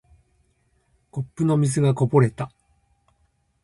コップの水がこぼれた。